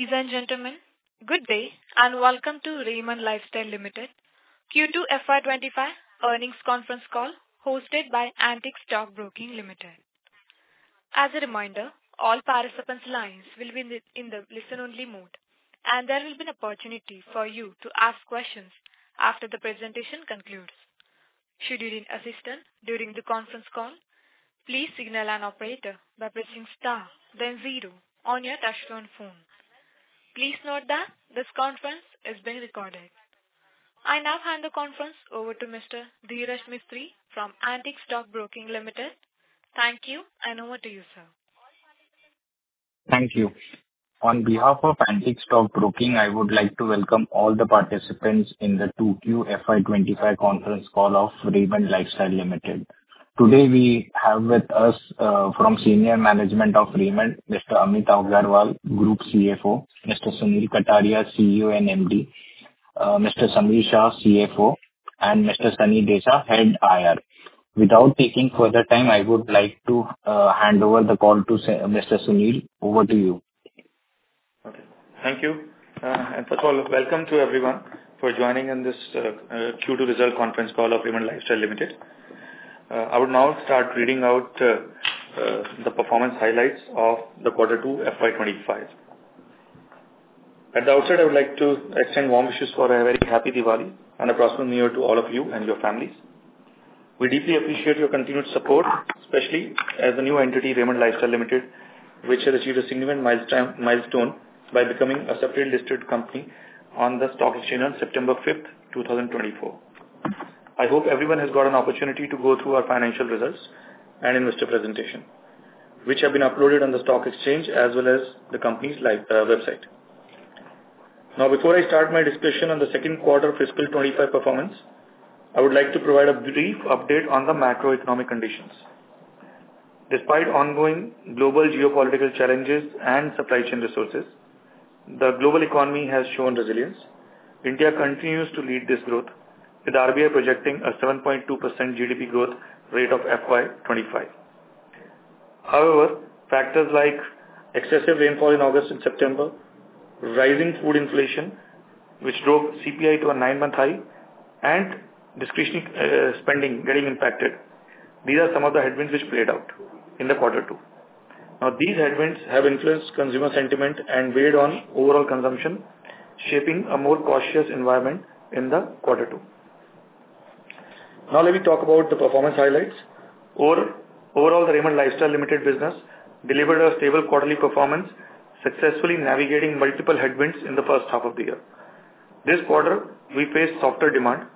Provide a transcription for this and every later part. Ladies and gentlemen, good day and welcome to Raymond Lifestyle Limited Q2 FY25 Earnings Conference Call hosted by Antique Stock Broking Limited. As a reminder, all participants' lines will be in the listen-only mode, and there will be an opportunity for you to ask questions after the presentation concludes. Should you need assistance during the conference call, please signal an operator by pressing star, then zero on your touch-tone phone. Please note that this conference is being recorded. I now hand the conference over to Mr. Dheerash Mistry from Antique Stock Broking Limited. Thank you, and over to you, sir. Thank you. On behalf of Antique Stock Broking, I would like to welcome all the participants in the Q2 FY25 conference call of Raymond Lifestyle Limited. Today, we have with us from senior management of Raymond, Mr. Amit Agarwal, Group CFO, Mr. Sunil Kataria, CEO and MD, Mr. Sameer Shah, CFO, and Mr. Sunny Desa, Head IR. Without taking further time, I would like to hand over the call to Mr. Sunil. Over to you. Okay. Thank you. And first of all, welcome to everyone for joining in this Q2 result conference call of Raymond Lifestyle Limited. I will now start reading out the performance highlights of the Q2 FY25. At the outset, I would like to extend warm wishes for a very happy Diwali and a prosperous new year to all of you and your families. We deeply appreciate your continued support, especially as a new entity, Raymond Lifestyle Limited, which has achieved a significant milestone by becoming a separate listed company on the stock exchange on 5 September 2024. I hope everyone has got an opportunity to go through our financial results and investor presentation, which have been uploaded on the stock exchange as well as the company's website. Now, before I start my discussion on the Q2 of fiscal 25 performance, I would like to provide a brief update on the macroeconomic conditions. Despite ongoing global geopolitical challenges and supply chain disruptions, the global economy has shown resilience. India continues to lead this growth, with RBI projecting a 7.2% GDP growth rate of FY25. However, factors like excessive rainfall in August and September, rising food inflation, which drove CPI to a nine-month high, and discretionary spending getting impacted, these are some of the headwinds which played out in the Q2. Now, these headwinds have influenced consumer sentiment and weighed on overall consumption, shaping a more cautious environment in the Q2. Now, let me talk about the performance highlights. Overall, the Raymond Lifestyle Limited business delivered a stable quarterly performance, successfully navigating multiple headwinds in the first half of the year. This quarter, we faced softer demand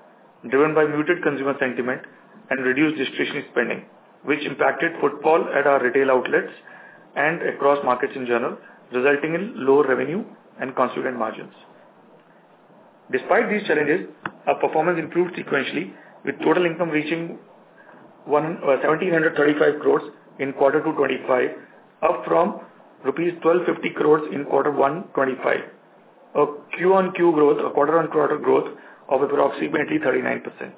driven by muted consumer sentiment and reduced discretionary spending, which impacted footfall at our retail outlets and across markets in general, resulting in lower revenue and consequent margins. Despite these challenges, our performance improved sequentially, with total income reaching 1,735 crores in Q2 FY25, up from rupees 1,250 crores in Q1 FY25, a Q-on-Q growth, a quarter-on-quarter growth of approximately 39%.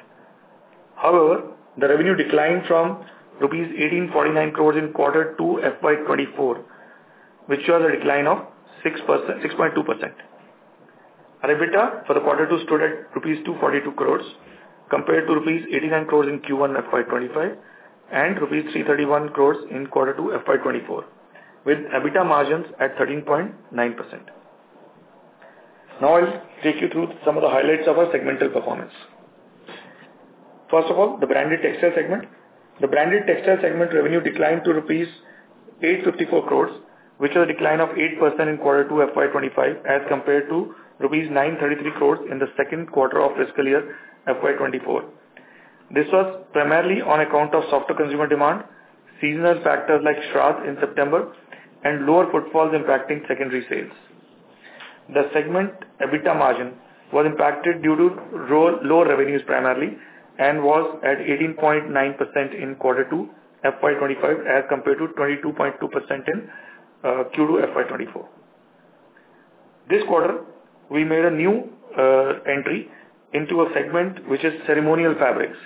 However, the revenue declined from INR 1,849 crores in Q2 FY24, which was a decline of 6.2%. EBITDA for the Q2 stood at INR 242 crores, compared to INR 89 crores in Q1 FY25 and INR 331 crores in Q2 FY24, with EBITDA margins at 13.9%. Now, I'll take you through some of the highlights of our segmental performance. First of all, the branded textile segment. The branded textile segment revenue declined to rupees 854 crores, which was a decline of 8% in Q2 FY25, as compared to rupees 933 crores in the Q2 of fiscal year FY24. This was primarily on account of softer consumer demand, seasonal factors like Shraadh in September, and lower footfalls impacting secondary sales. The segment EBITDA margin was impacted due to lower revenues primarily and was at 18.9% in Q2 FY25, as compared to 22.2% in Q2 FY24. This quarter, we made a new entry into a segment, which is ceremonial fabrics,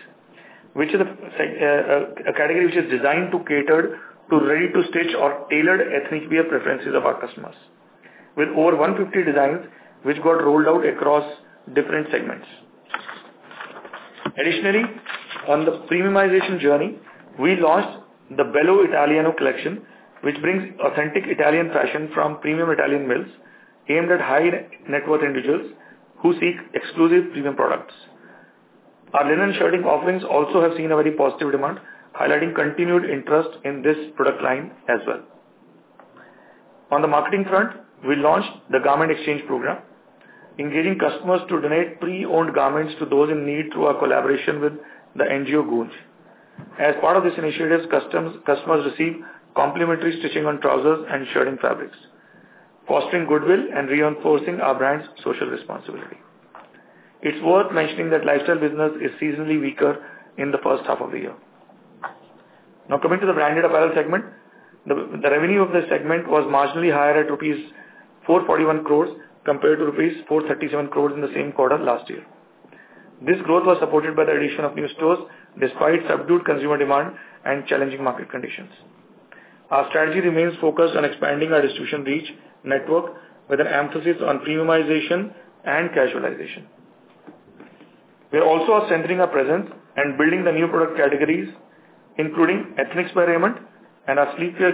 which is a category which is designed to cater to ready-to-stitch or tailored ethnic wear preferences of our customers, with over 150 designs which got rolled out across different segments. Additionally, on the premiumization journey, we launched the Bello Italiano collection, which brings authentic Italian fashion from premium Italian mills, aimed at high-net-worth individuals who seek exclusive premium products. Our linen shirting offerings also have seen a very positive demand, highlighting continued interest in this product line as well. On the marketing front, we launched the garment exchange program, engaging customers to donate pre-owned garments to those in need through our collaboration with the NGO Goonj. As part of this initiative, customers receive complimentary stitching on trousers and shirting fabrics, fostering goodwill and reinforcing our brand's social responsibility. It's worth mentioning that lifestyle business is seasonally weaker in the first half of the year. Now, coming to the branded apparel segment, the revenue of this segment was marginally higher at rupees 441 crores compared to rupees 437 crores in the same quarter last year. This growth was supported by the addition of new stores, despite subdued consumer demand and challenging market conditions. Our strategy remains focused on expanding our distribution reach network, with an emphasis on premiumization and casualization. We are also centering our presence and building the new product categories, including Ethnix by Raymond and our sleepwear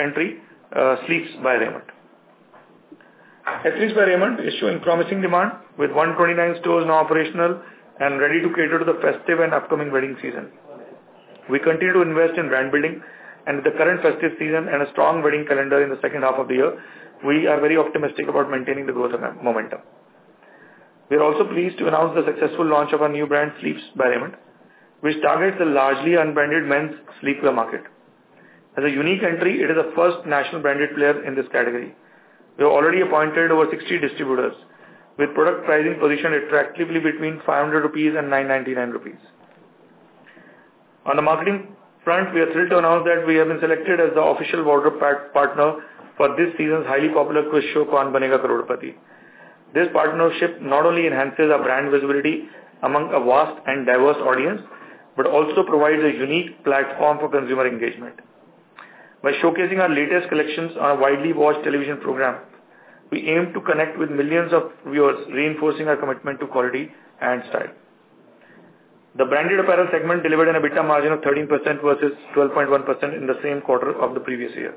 entry, Sleepz by Raymond. Ethnix by Raymond is showing promising demand, with 129 stores now operational and ready to cater to the festive and upcoming wedding season. We continue to invest in brand building, and with the current festive season and a strong wedding calendar in the second half of the year, we are very optimistic about maintaining the growth momentum. We are also pleased to announce the successful launch of our new brand, Sleepz by Raymond, which targets the largely unbranded men's sleepwear market. As a unique entry, it is the first national branded player in this category. We have already appointed over 60 distributors, with product pricing positioned attractively between 500 rupees and 999 rupees. On the marketing front, we are thrilled to announce that we have been selected as the official boardroom partner for this season's highly popular quiz show, Kaun Banega Crorepati. This partnership not only enhances our brand visibility among a vast and diverse audience, but also provides a unique platform for consumer engagement. By showcasing our latest collections on a widely watched television program, we aim to connect with millions of viewers, reinforcing our commitment to quality and style. The branded apparel segment delivered an EBITDA margin of 13% versus 12.1% in the same quarter of the previous year.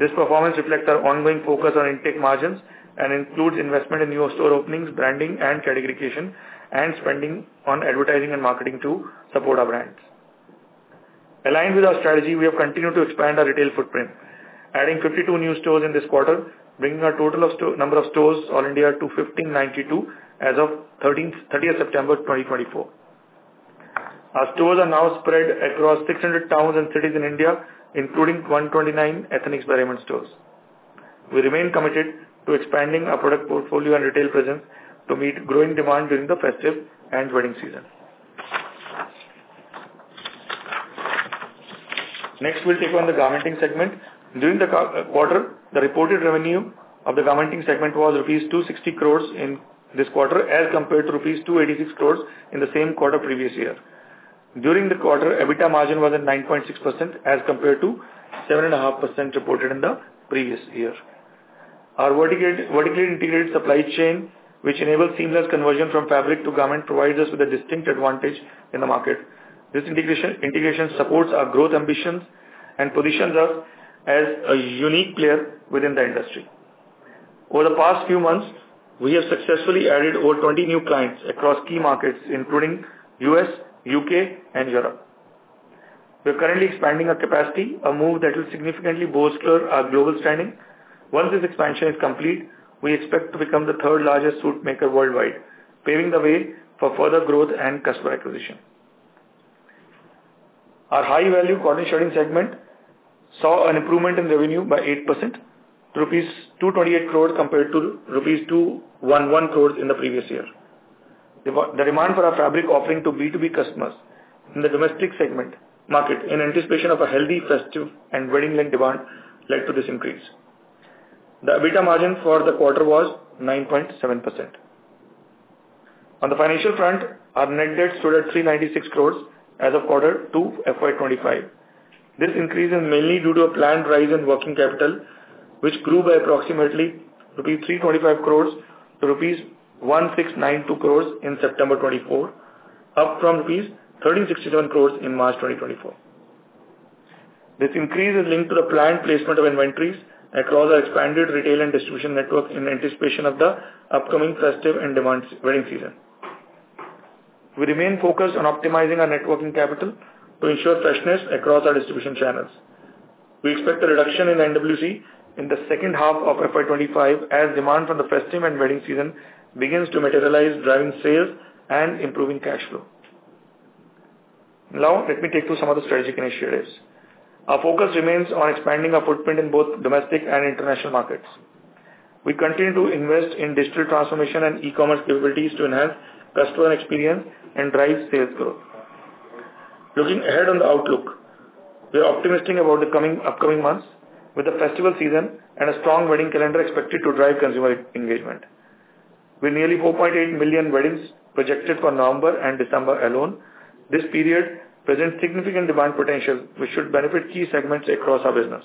This performance reflects our ongoing focus on intake margins and includes investment in new store openings, branding and categorization, and spending on advertising and marketing to support our brands. Aligned with our strategy, we have continued to expand our retail footprint, adding 52 new stores in this quarter, bringing our total number of stores all India to 1,592 as of 30th September 2024. Our stores are now spread across 600 towns and cities in India, including 129 ethnic wear Raymond stores. We remain committed to expanding our product portfolio and retail presence to meet growing demand during the festive and wedding season. Next, we'll take on the garmenting segment. During the quarter, the reported revenue of the garmenting segment was rupees 260 crores in this quarter, as compared to rupees 286 crores in the same quarter previous year. During the quarter, EBITDA margin was at 9.6%, as compared to 7.5% reported in the previous year. Our vertically integrated supply chain, which enables seamless conversion from fabric to garment, provides us with a distinct advantage in the market. This integration supports our growth ambitions and positions us as a unique player within the industry. Over the past few months, we have successfully added over 20 new clients across key markets, including the U.S., U.K., and Europe. We are currently expanding our capacity, a move that will significantly bolster our global standing. Once this expansion is complete, we expect to become the third-largest suit maker worldwide, paving the way for further growth and customer acquisition. Our high-value cotton shirting segment saw an improvement in revenue by 8%, rupees 228 crores compared to rupees 211 crores in the previous year. The demand for our fabric offering to B2B customers in the domestic segment market, in anticipation of a healthy festive and wedding-linked demand, led to this increase. The EBITDA margin for the quarter was 9.7%. On the financial front, our net debt stood at 396 crores as of Q2 FY25. This increase is mainly due to a planned rise in working capital, which grew by approximately INR 325 crores to INR 1,692 crores in September 2024, up from INR 1,367 crores in March 2024. This increase is linked to the planned placement of inventories across our expanded retail and distribution network in anticipation of the upcoming festive and demanding wedding season. We remain focused on optimizing our net working capital to ensure freshness across our distribution channels. We expect a reduction in NWC in the second half of FY25, as demand for the festive and wedding season begins to materialize, driving sales and improving cash flow. Now, let me take you through some of the strategic initiatives. Our focus remains on expanding our footprint in both domestic and international markets. We continue to invest in digital transformation and e-commerce capabilities to enhance customer experience and drive sales growth. Looking ahead on the outlook, we are optimistic about the upcoming months, with the festival season and a strong wedding calendar expected to drive consumer engagement. With nearly 4.8 million weddings projected for November and December alone, this period presents significant demand potential, which should benefit key segments across our business.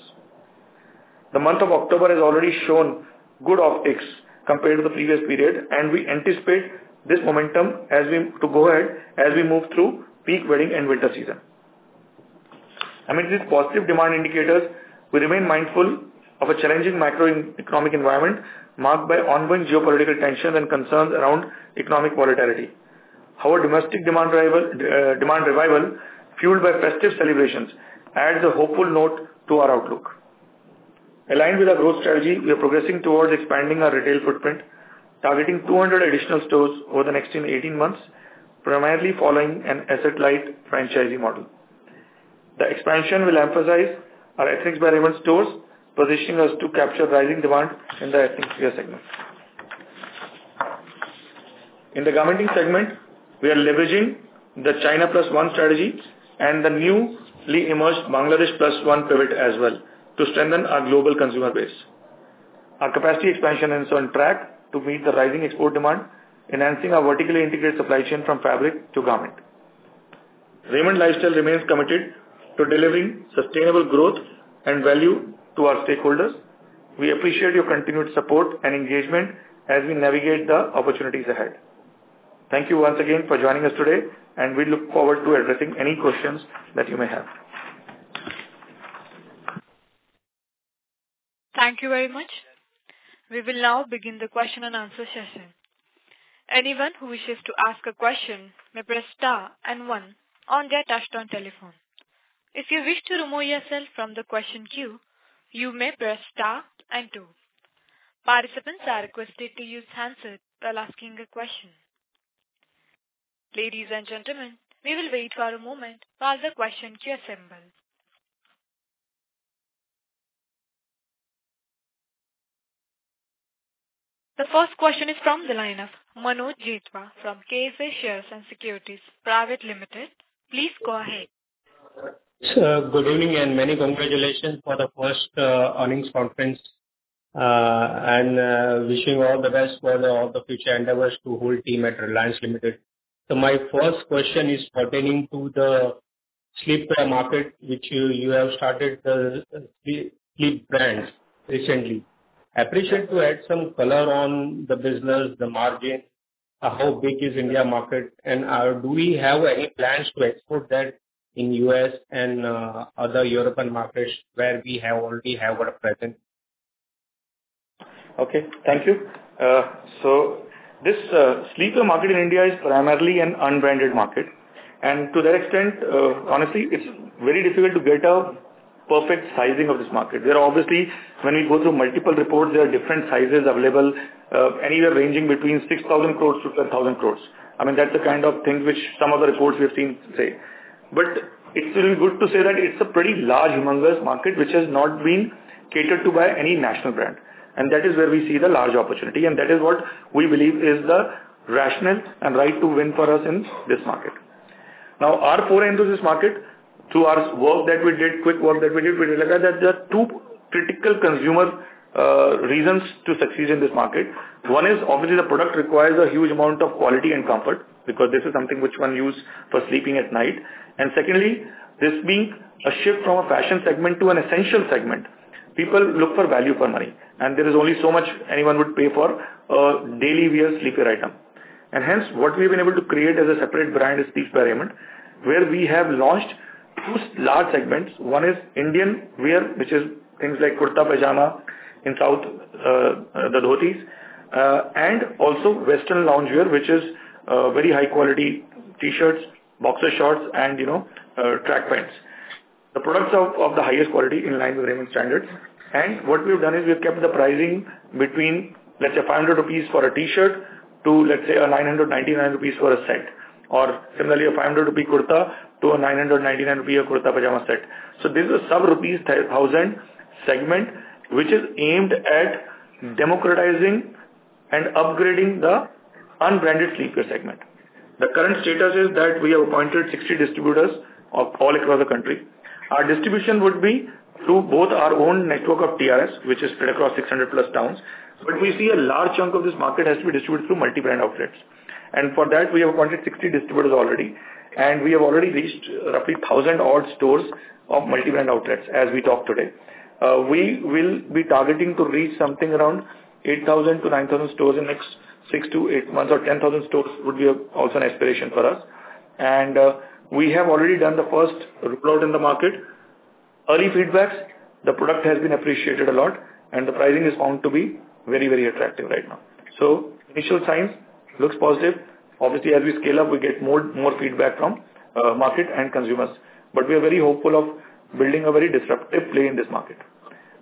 The month of October has already shown good optics compared to the previous period, and we anticipate this momentum to go ahead as we move through peak wedding and winter season. Amid these positive demand indicators, we remain mindful of a challenging macroeconomic environment marked by ongoing geopolitical tensions and concerns around economic volatility. However, domestic demand revival, fueled by festive celebrations, adds a hopeful note to our outlook. Aligned with our growth strategy, we are progressing towards expanding our retail footprint, targeting 200 additional stores over the next 18 months, primarily following an asset-light franchising model. The expansion will emphasize our ethnic wear Raymond stores, positioning us to capture rising demand in the ethnic wear segment. In the garmenting segment, we are leveraging the China Plus One strategy and the newly emerged Bangladesh Plus One pivot as well to strengthen our global consumer base. Our capacity expansion is on track to meet the rising export demand, enhancing our vertically integrated supply chain from fabric to garment. Raymond Lifestyle remains committed to delivering sustainable growth and value to our stakeholders. We appreciate your continued support and engagement as we navigate the opportunities ahead. Thank you once again for joining us today, and we look forward to addressing any questions that you may have. Thank you very much. We will now begin the question and answer session. Anyone who wishes to ask a question may press star and one on their touch-tone telephone. If you wish to remove yourself from the question queue, you may press star and two. Participants are requested to use hands while asking a question. Ladies and gentlemen, we will wait for a moment while the question queue assembles. The first question is from the line of Manoj Jethwa from KSA Shares and Securities Private Limited. Please go ahead. Good evening and many congratulations for the first earnings conference, and wishing all the best for all the future endeavors to the whole team at Raymond Limited. So my first question is pertaining to the sleepwear market, which you have started, the sleep brands recently. I appreciate to add some color on the business, the margin, how big is the India market, and do we have any plans to export that in the U.S. and other European markets where we already have a presence? Okay, thank you. So this sleepwear market in India is primarily an unbranded market, and to that extent, honestly, it's very difficult to get a perfect sizing of this market. There are obviously, when we go through multiple reports, there are different sizes available anywhere ranging between 6,000 crores-10,000 crores. I mean, that's the kind of thing which some of the reports we have seen say. But it's really good to say that it's a pretty large, humongous market, which has not been catered to by any national brand. And that is where we see the large opportunity, and that is what we believe is the rationale and right to win for us in this market. Now, our foray into this market, through our work that we did, quick work that we did, we realized that there are two critical consumer reasons to succeed in this market. One is, obviously, the product requires a huge amount of quality and comfort because this is something which one uses for sleeping at night. And secondly, this being a shift from a fashion segment to an essential segment, people look for value for money, and there is only so much anyone would pay for a daily wear sleepwear item. And hence, what we have been able to create as a separate brand is Sleepz by Raymond, where we have launched two large segments. One is Indian wear, which is things like kurta pajama, lungi, dhotis, and also Western lounge wear, which is very high-quality T-shirts, boxer shorts, and track pants. The products are of the highest quality in line with Raymond standards. What we have done is we have kept the pricing between, let's say, 500 rupees for a T-shirt to, let's say, 999 rupees for a set, or similarly, a 500 rupee kurta to a 999 rupee kurta pajama set. So this is a sub-INR 1,000 segment, which is aimed at democratizing and upgrading the unbranded sleepwear segment. The current status is that we have appointed 60 distributors all across the country. Our distribution would be through both our own network of TRS, which is spread across 600+ towns. But we see a large chunk of this market has to be distributed through multi-brand outlets. And for that, we have appointed 60 distributors already, and we have already reached roughly 1,000 odd stores of multi-brand outlets as we talk today. We will be targeting to reach something around 8,000-9,000 stores in the next six to eight months, or 10,000 stores would be also an aspiration for us. And we have already done the first rollout in the market. Early feedback, the product has been appreciated a lot, and the pricing is found to be very, very attractive right now. So initial signs look positive. Obviously, as we scale up, we get more feedback from the market and consumers. But we are very hopeful of building a very disruptive play in this market.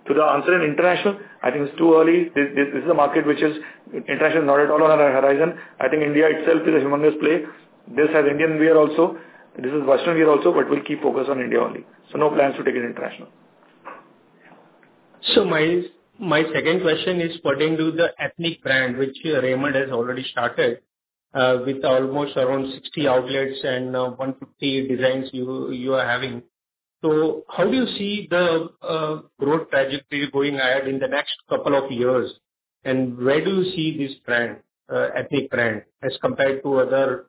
To answer on international, I think it's too early. This is a market which international is not at all on our horizon. I think India itself is a humongous play. This has Indian wear also. This is Western wear also, but we'll keep focus on India only. So no plans to take it international. My second question is pertaining to the ethnic brand, which Raymond has already started with almost around 60 outlets and 150 designs you are having. So how do you see the growth trajectory going ahead in the next couple of years? And where do you see this brand, ethnic brand, as compared to other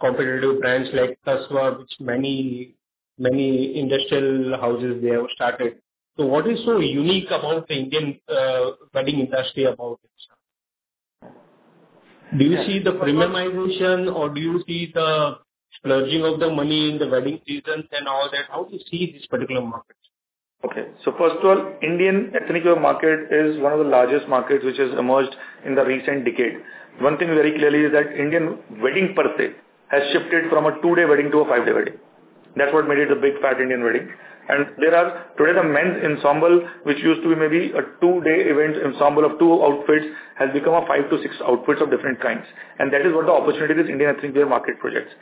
competitive brands like Tasva, which many, many industrial houses there have started? So what is so unique about the Indian wedding industry about itself? Do you see the premiumization, or do you see the splurging of the money in the wedding seasons and all that? How do you see this particular market? Okay, so first of all, the Indian ethnic wear market is one of the largest markets which has emerged in the recent decade. One thing very clearly is that Indian wedding per se has shifted from a two-day wedding to a five-day wedding. That's what made it a big fat Indian wedding. Today the men's ensemble, which used to be maybe a two-day event ensemble of two outfits, has become five to six outfits of different kinds. That is what the opportunity is in Indian ethnic wear market projections.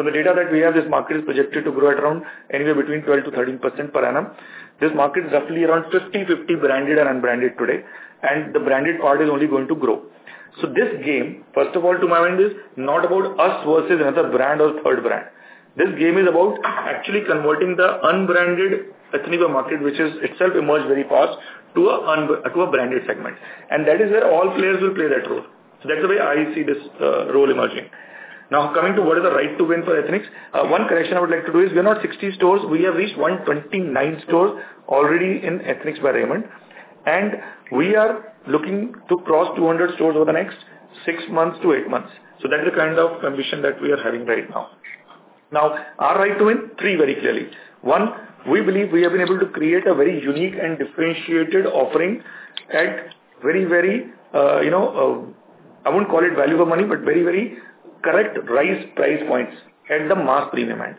From the data that we have, this market is projected to grow at around anywhere between 12%-13% per annum. This market is roughly around 50-50 branded and unbranded today, and the branded part is only going to grow. This game, first of all, to my mind, is not about us versus another brand or third brand. This game is about actually converting the unbranded ethnic wear market, which has itself emerged very fast, to a branded segment. That is where all players will play that role. That's the way I see this role emerging. Now, coming to what is the right to win for Ethnix, one correction I would like to do is we are not 60 stores. We have reached 129 stores already in Ethnix by Raymond, and we are looking to cross 200 stores over the next six months to eight months. So that's the kind of ambition that we are having right now. Now, our right to win are very clear. One, we believe we have been able to create a very unique and differentiated offering at very, very, I won't call it value for money, but very, very correct right price points at the mass premium end,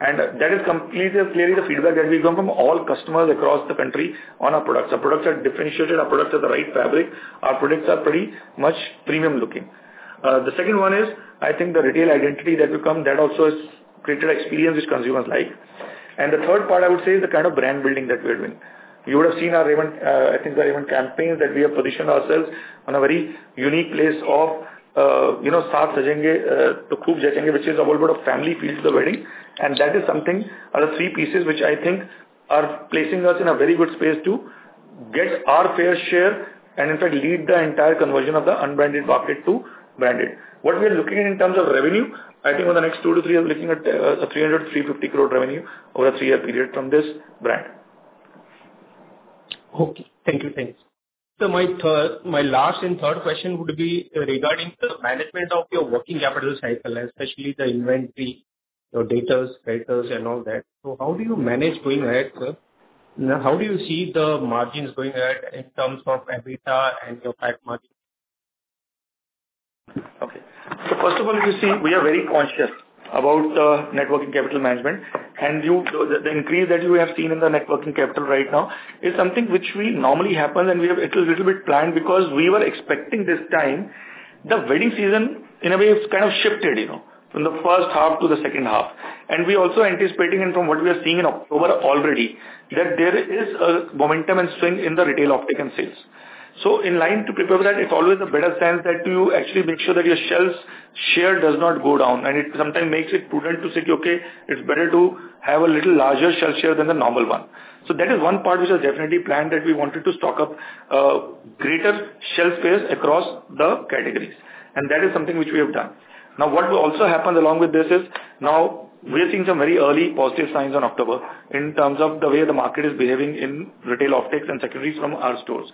and that is completely clear, the feedback that we got from all customers across the country on our products. Our products are differentiated. Our products are the right fabric. Our products are pretty much premium looking. The second one is, I think the retail identity that will come, that also has created an experience which consumers like. And the third part, I would say, is the kind of brand building that we are doing. You would have seen our, I think, the Raymond campaigns that we have positioned ourselves on a very unique place of Saath Jachenge, Khub Jachenge, which is all about a family feel to the wedding. And that is something, the three pieces which I think are placing us in a very good space to get our fair share and, in fact, lead the entire conversion of the unbranded market to branded. What we are looking at in terms of revenue, I think over the next two to three years, looking at 300 crore-350 crore revenue over a three-year period from this brand. Okay, thank you. Thanks. So my last and third question would be regarding the management of your working capital cycle, especially the inventory, your debtor status, and all that. So how do you manage going ahead, sir? How do you see the margins going ahead in terms of EBITDA and your PAT margin? Okay, so first of all, you see we are very conscious about the net working capital management, and the increase that we have seen in the net working capital right now is something which normally happens, and we have a little bit planned because we were expecting this time the wedding season, in a way, it's kind of shifted from the first half to the second half. And we are also anticipating, and from what we are seeing in October already, that there is a momentum and swing in the retail footfall and sales. So in line to prepare for that, it's always a better sense that you actually make sure that your shelf share does not go down, and it sometimes makes it prudent to say, "Okay, it's better to have a little larger shelf share than the normal one." So that is one part which is definitely planned that we wanted to stock up greater shelf space across the categories, and that is something which we have done. Now, what also happens along with this is now we are seeing some very early positive signs in October in terms of the way the market is behaving in retail optics and secondaries from our stores.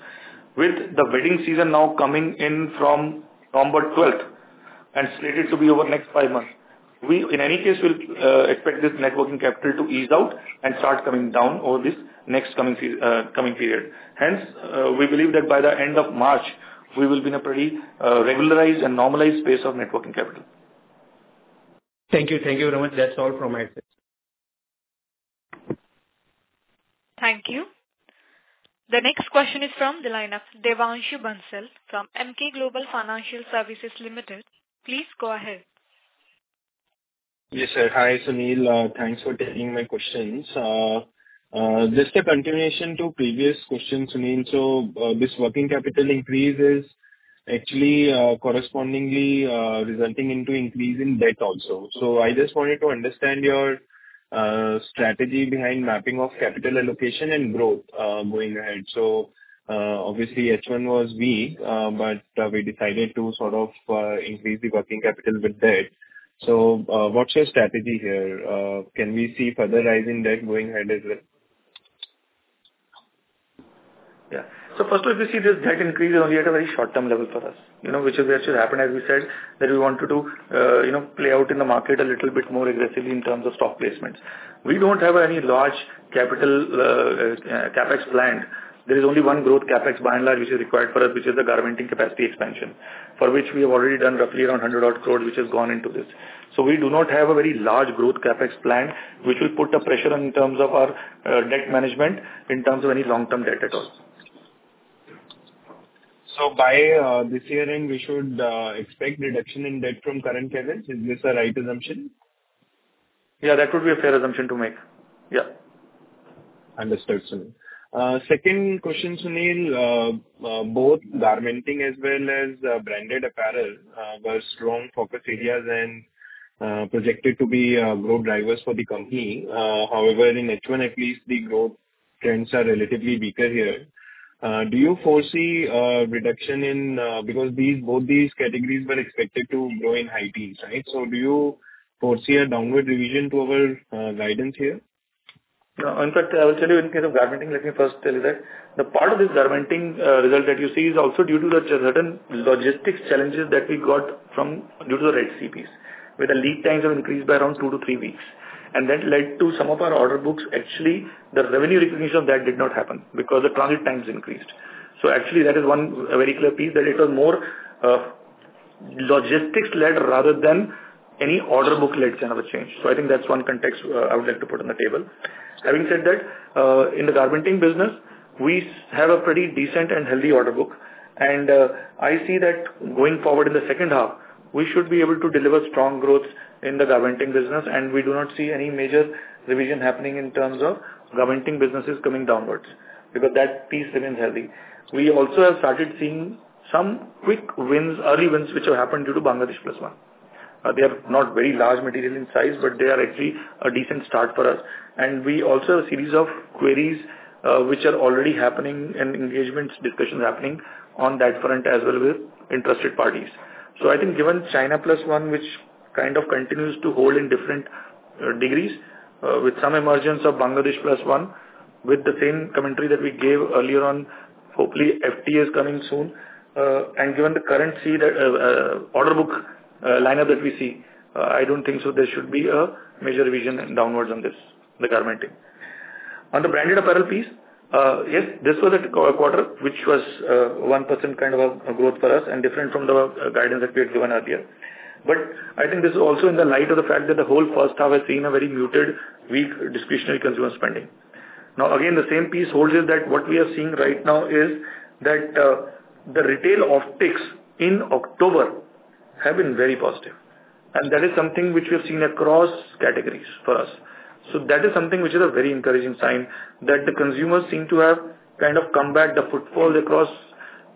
With the wedding season now coming in from 12 November 2024 and slated to be over the next five months, we, in any case, will expect this net working capital to ease out and start coming down over this next coming period. Hence, we believe that by the end of March, we will be in a pretty regularized and normalized space of net working capital. Thank you. Thank you very much. That's all from my side. Thank you. The next question is from the line of Devanshu Bansal from Emkay Global Financial Services Limited. Please go ahead. Yes, sir. Hi, Sunil. Thanks for taking my questions. Just a continuation to previous question, Sunil. So this working capital increase is actually correspondingly resulting in an increase in debt also. So I just wanted to understand your strategy behind mapping of capital allocation and growth going ahead. So, obviously, H1 was weak, but we decided to sort of increase the working capital with debt. So, what's your strategy here? Can we see further rise in debt going ahead as well? Yeah. So, first of all, we see this debt increase is only at a very short-term level for us, which is where it should happen, as we said, that we wanted to play out in the market a little bit more aggressively in terms of stock placements. We don't have any large capital CapEx planned. There is only one growth CapEx by and large, which is required for us, which is the garmenting capacity expansion, for which we have already done roughly around 100-odd crore, which has gone into this. So we do not have a very large growth CapEx planned, which will put a pressure in terms of our debt management in terms of any long-term debt at all. So by this year end, we should expect a reduction in debt from current cadence. Is this a right assumption? Yeah, that would be a fair assumption to make. Yeah. Understood, Sunil. Second question, Sunil. Both garmenting as well as branded apparel were strong focus areas and projected to be growth drivers for the company. However, in H1, at least, the growth trends are relatively weaker here. Do you foresee a reduction in because both these categories were expected to grow in high teens, right? So do you foresee a downward revision to our guidance here? In fact, I will tell you, in case of garmenting, let me first tell you that the part of this garmenting result that you see is also due to the certain logistics challenges that we got due to the Red Sea crisis, where the lead times have increased by around two to three weeks, and that led to some of our order books. Actually, the revenue recognition of that did not happen because the transit times increased. So actually, that is one very clear piece that it was more logistics-led rather than any order book-led kind of a change. So I think that's one context I would like to put on the table. Having said that, in the garmenting business, we have a pretty decent and healthy order book, and I see that going forward in the second half, we should be able to deliver strong growth in the garmenting business, and we do not see any major revision happening in terms of garmenting businesses coming downwards because that piece remains healthy. We also have started seeing some quick wins, early wins, which have happened due to Bangladesh Plus One. They are not very large material in size, but they are actually a decent start for us, and we also have a series of queries which are already happening and engagement discussions happening on that front as well with interested parties. So I think given China Plus One, which kind of continues to hold in different degrees with some emergence of Bangladesh Plus One with the same commentary that we gave earlier on, hopefully, FTA is coming soon. And given the current order book lineup that we see, I don't think so there should be a major revision downwards on this, the garmenting. On the branded apparel piece, yes, this was a quarter which was 1% kind of a growth for us and different from the guidance that we had given earlier. But I think this is also in the light of the fact that the whole first half has seen a very muted, weak discretionary consumer spending. Now, again, the same piece holds is that what we are seeing right now is that the retail optics in October have been very positive, and that is something which we have seen across categories for us. So that is something which is a very encouraging sign that the consumers seem to have kind of come back. The footfall across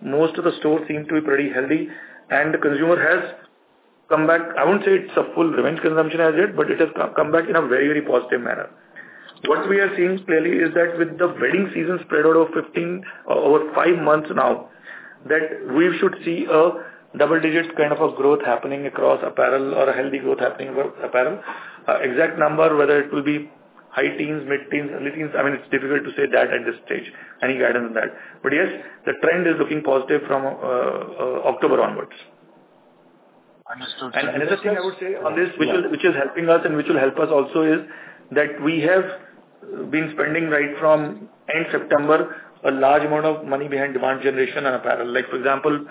most of the stores seem to be pretty healthy, and the consumer has come back. I won't say it's a full revenge consumption as yet, but it has come back in a very, very positive manner. What we are seeing clearly is that with the wedding season spread out over five months now, that we should see a double-digit kind of a growth happening across apparel or a healthy growth happening over apparel. Exact number, whether it will be high teens, mid teens, early teens, I mean, it's difficult to say that at this stage, any guidance on that. But yes, the trend is looking positive from October onwards. Understood. Another thing I would say on this, which is helping us and which will help us also, is that we have been spending right from end September a large amount of money behind demand generation on apparel. For example,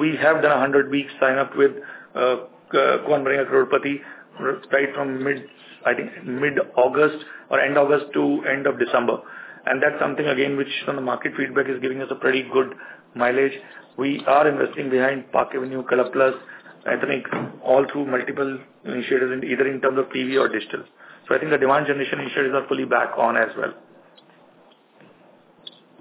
we have done a 100-week sign-up with Kaun Banega Crorepati right from, I think, mid-August or end August to end of December. And that's something, again, which from the market feedback is giving us a pretty good mileage. We are investing behind Park Avenue, ColorPlus, ethnic, all through multiple initiatives, either in terms of TV or digital. So I think the demand generation initiatives are fully back on as well.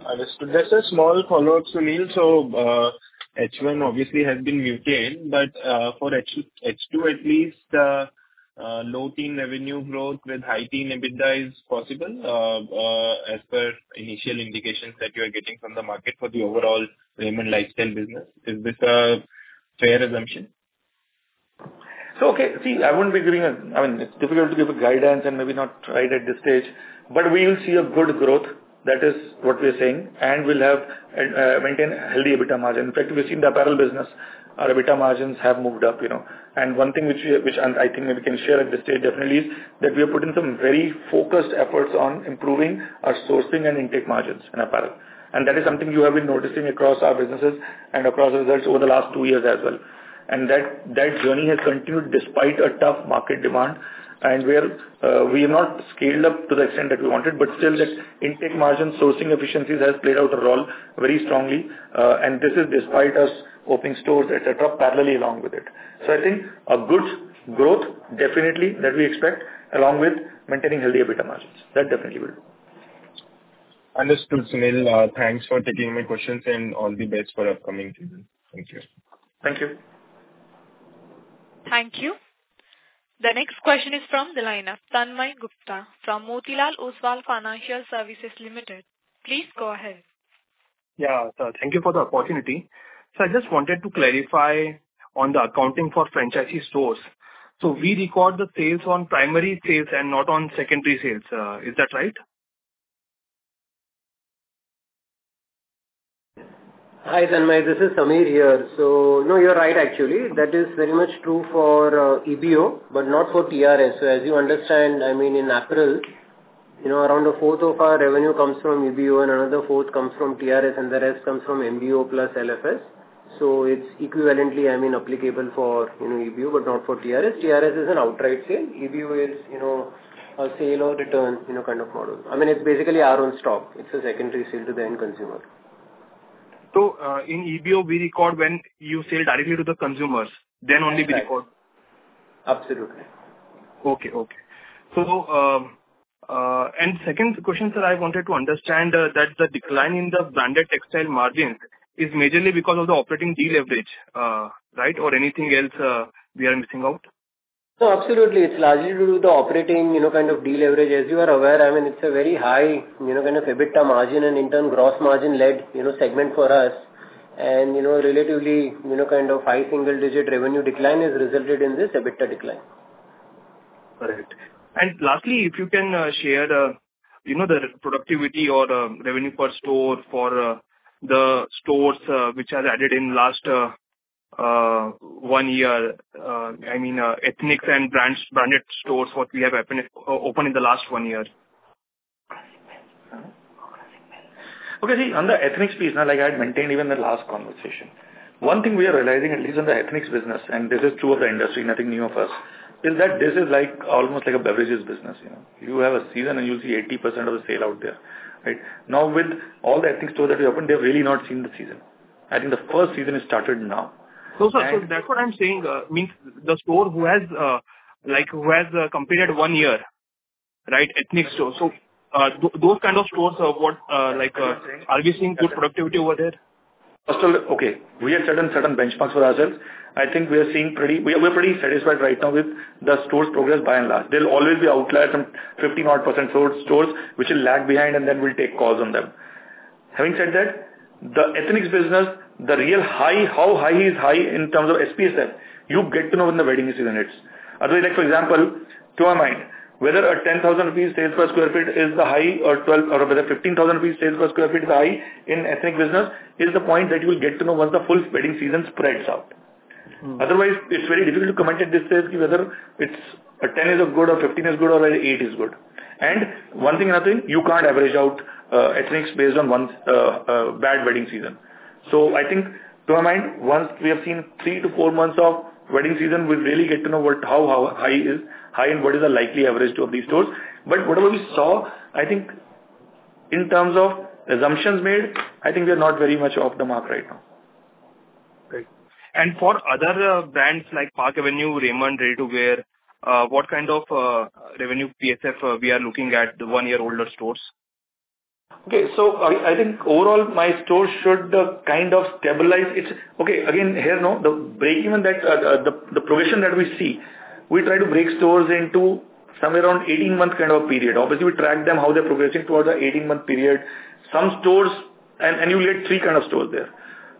Understood. That's a small follow-up, Sunil. So H1 obviously has been muted, but for H2, at least low-teens revenue growth with high-teens EBITDA is possible as per initial indications that you are getting from the market for the overall Raymond Lifestyle business. Is this a fair assumption? So, okay, see, I wouldn't be giving a, I mean, it's difficult to give a guidance and maybe not right at this stage, but we will see a good growth. That is what we are saying, and we'll maintain a healthy EBITDA margin. In fact, we've seen the apparel business, our EBITDA margins have moved up. And one thing which I think maybe can share at this stage definitely is that we are putting some very focused efforts on improving our sourcing and intake margins in apparel. And that is something you have been noticing across our businesses and across results over the last two years as well. And that journey has continued despite a tough market demand, and where we have not scaled up to the extent that we wanted, but still that intake margin sourcing efficiencies has played out a role very strongly. And this is despite us opening stores, etc., parallelly along with it. So I think a good growth definitely that we expect along with maintaining healthy EBITDA margins. That definitely will. Understood, Sunil. Thanks for taking my questions and all the best for upcoming season. Thank you. Thank you. Thank you. The next question is from the line of Tanmay Gupta from Motilal Oswal Financial Services Limited. Please go ahead. Yeah, so thank you for the opportunity. So I just wanted to clarify on the accounting for franchisee stores. So we record the sales on primary sales and not on secondary sales. Is that right? Hi, Tanmay. This is Sameer here. So no, you're right, actually. That is very much true for EBO, but not for TRS. So as you understand, I mean, in apparel, around a fourth of our revenue comes from EBO, and another fourth comes from TRS, and the rest comes from MBO+LFS. So it's equivalently, I mean, applicable for EBO, but not for TRS. TRS is an outright sale. EBO is a sale or return kind of model. I mean, it's basically our own stock. It's a secondary sale to the end consumer. So in EBO, we record when you sell directly to the consumers. Then only we record. Absolutely. Okay, okay. Second question, sir. I wanted to understand that the decline in the branded textile margins is majorly because of the operating deleverage, right? Or anything else we are missing out? No, absolutely. It's largely due to the operating kind of deleverage. As you are aware, I mean, it's a very high kind of EBITDA margin and in turn gross margin-led segment for us. And relatively kind of high single-digit revenue decline has resulted in this EBITDA decline. Correct. And lastly, if you can share the productivity or revenue per store for the stores which are added in last one year, I mean, Ethnix and branded stores what we have opened in the last one year. Okay, see, on the Ethnix piece, like I had maintained even the last conversation, one thing we are realizing, at least in the Ethnix business, and this is true of the industry, nothing new of us, is that this is almost like a beverages business. You have a season, and you'll see 80% of the sale out there, right? Now, with all the ethnic stores that we opened, they have really not seen the season. I think the first season is started now. So that's what I'm saying. I mean, the store who has completed one year, right, ethnic stores. So those kind of stores are what are we seeing good productivity over there? Okay, we have certain benchmarks for ourselves. I think we are seeing pretty, we are pretty satisfied right now with the store's progress by and large. There will always be outliers from 15-odd% stores which will lag behind, and then we'll take calls on them. Having said that, the Ethnix business, the real high, how high is high in terms of SPSF? You get to know when the wedding season hits. For example, to my mind, whether a 10,000 rupees sales per sq ft is the high or whether 15,000 rupees sales per sq ft is the high in ethnic business is the point that you will get to know once the full wedding season spreads out. Otherwise, it's very difficult to comment at this stage whether a 10 is good or 15 is good or eight is good. One thing and other thing, you can't average out Ethnix based on one bad wedding season. So I think, to my mind, once we have seen three to four months of wedding season, we'll really get to know how high is high and what is the likely average of these stores. But whatever we saw, I think in terms of assumptions made, I think we are not very much off the mark right now. Great. And for other brands like Park Avenue, Raymond, Ready to Wear, what kind of revenue PSF we are looking at the one-year-old stores? Okay, so I think overall my stores should kind of stabilize. Okay, again, here the break even that the progression that we see, we try to break stores into somewhere around 18-month kind of a period. Obviously, we track them how they're progressing towards the 18-month period. Some stores, and you'll get three kinds of stores there.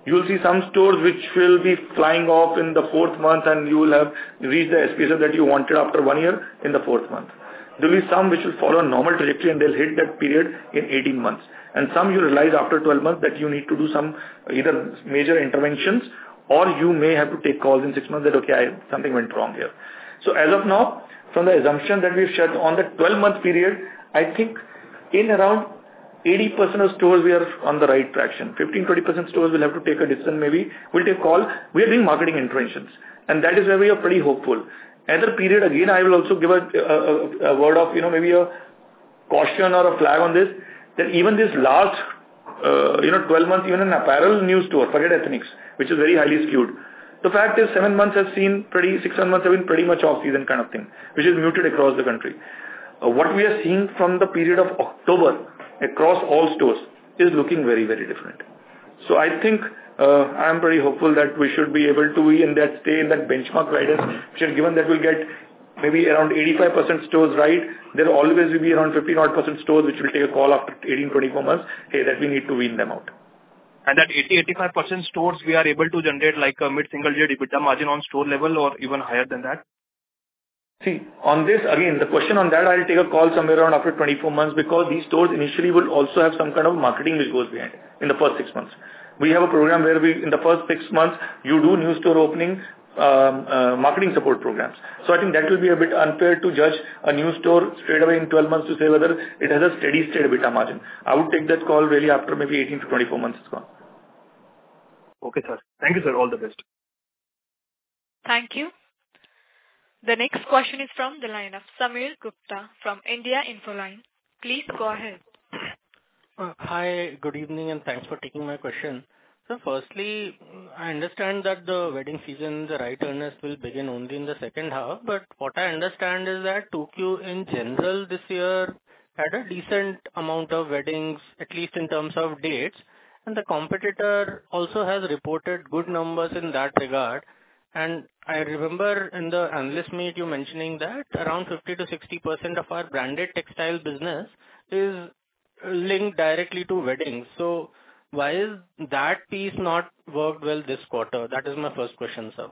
You'll see some stores which will be flying off in the fourth month, and you will have reached the SPSF that you wanted after one year in the fourth month. There will be some which will follow a normal trajectory, and they'll hit that period in 18 months. And some you'll realize after 12 months that you need to do some either major interventions or you may have to take calls in six months that, okay, something went wrong here. So as of now, from the assumption that we've shared on the 12-month period, I think in around 80% of stores we are on the right traction. 15%-20% stores will have to take a decision maybe. We'll take call. We are doing marketing interventions, and that is where we are pretty hopeful. Another period, again, I will also give a word of maybe a caution or a flag on this that even this last 12 months, even in apparel news store, forget Ethnix, which is very highly skewed. The fact is seven months have seen pretty, six months have been pretty much off-season kind of thing, which is muted across the country. What we are seeing from the period of October across all stores is looking very, very different. So I think I'm pretty hopeful that we should be able to be in that stay in that benchmark riders, which are given that we'll get maybe around 85% stores right. There always will be around 15-odd% stores which will take a call after 18, 24 months, hey, that we need to wean them out. And that 80%, 85% stores we are able to generate like a mid-single-digit EBITDA margin on store level or even higher than that? See, on this, again, the question on that, I'll take a call somewhere around after 24 months because these stores initially will also have some kind of marketing which goes behind in the first six months. We have a program where in the first six months, you do new store opening marketing support programs. So I think that will be a bit unfair to judge a new store straight away in 12 months to say whether it has a steady-state EBITDA margin. I would take that call really after maybe 18-24 months is gone. Okay, sir. Thank you, sir. All the best. Thank you. The next question is from the line of Sameer Gupta from India Infoline. Please go ahead. Hi, good evening, and thanks for taking my question. So firstly, I understand that the wedding season in right earnest will begin only in the second half. But what I understand is that the country in general this year had a decent amount of weddings, at least in terms of dates. And the competitor also has reported good numbers in that regard. And I remember in the analyst meet, you mentioning that around 50%-60% of our branded textile business is linked directly to weddings. So why has that piece not worked well this quarter? That is my first question, sir.